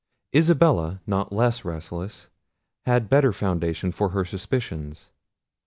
Isabella, not less restless, had better foundation for her suspicions.